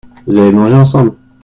Vous avez mangé ensemble ?